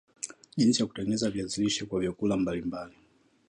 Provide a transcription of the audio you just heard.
jinsi ya kutengeneza viazi lishe kwa vyakula mbali mbali